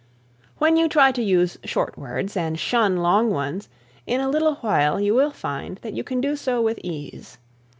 When you try to use short words and shun long ones in a little while you will find that you can do so with ease.